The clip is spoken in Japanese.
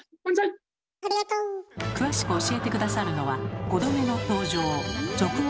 詳しく教えて下さるのは５度目の登場俗語